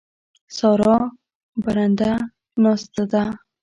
سارا برنده ناسته ده.